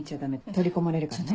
取り込まれるからね。